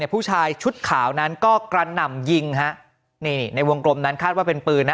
ผู้ชายชุดขาวนั้นก็กระหน่ำยิงฮะนี่ในวงกลมนั้นคาดว่าเป็นปืนนะ